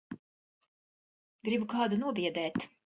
Gribu kādu nobiedēt.